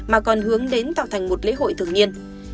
mà còn hướng đến tạo thành một lễ hội thường niên